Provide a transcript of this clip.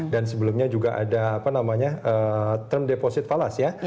dan sebelumnya juga ada apa namanya term deposit falas ya